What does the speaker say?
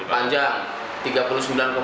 panjang tiga puluh sembilan dua km